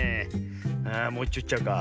あもういっちょいっちゃおうか。